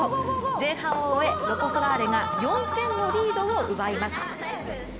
前半を終え、ロコ・ソラーレが４点のリードを奪います。